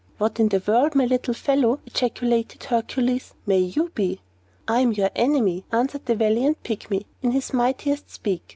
"What in the world, my little fellow," ejaculated Hercules, "may you be?" "I am your enemy," answered the valiant Pygmy, in his mightiest squeak.